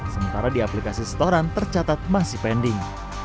sementara di aplikasi setoran tercatat masih pending